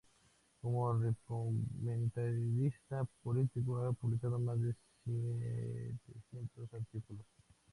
Como comentarista político ha publicado más de setecientos artículos.